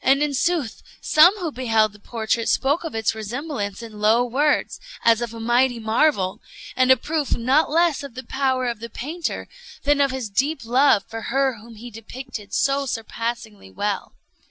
And in sooth some who beheld the portrait spoke of its resemblance in low words, as of a mighty marvel, and a proof not less of the power of the painter than of his deep love for her whom he depicted so surpassingly well.